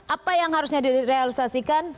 apa yang harusnya direalisasikan